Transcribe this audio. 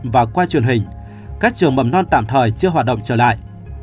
và qua truyền hình các trường mầm non tạm thời chưa hoạt động trở lại